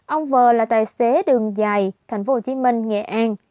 ông vờ là tài xế đường dài tp hcm nghệ an